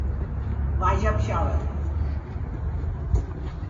ვაჟა ფშაველა